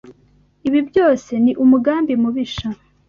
Ibi byose ni umugambi mubisha.